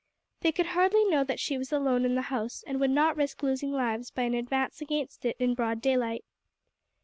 They could hardly know that she was alone in the house, and would not risk losing lives by an advance against it in broad daylight.